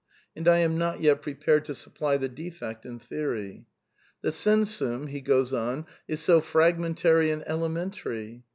And I am not yet prepared to supply the defect in theory. The sensum is so fragmentary and elementary.